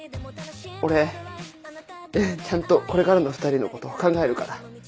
俺ちゃんとこれからの２人のこと考えるから。